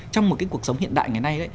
trong một cái cuộc sống hiện đại ngày nay